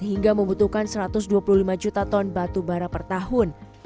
hingga membutuhkan satu ratus dua puluh lima juta ton batubara per tahun